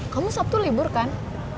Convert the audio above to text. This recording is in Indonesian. kamu sabtu libur kan